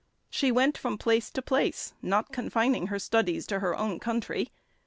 She went from place to place, not confining her studies to her own country.